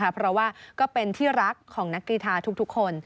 เพราะว่าก็เป็นที่รักของนักกีฬาทุกคน